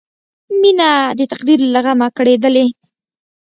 مینه د تقدیر له غمه کړېدله